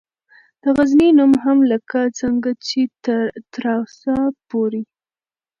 دغزنی نوم هم لکه څنګه چې تراوسه پورې